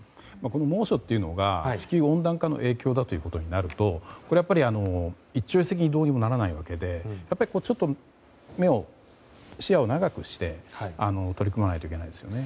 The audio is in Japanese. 猛暑というのが地球温暖化の影響ということになるとやっぱり一朝一夕ではどうにもならないわけでちょっと視野を長くして取り組まないといけないですね。